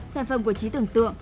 sản phẩm của trí tưởng tượng